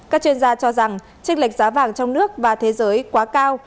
các chuyên gia cho rằng tranh lệch giá vàng trong nước và thế giới quá cao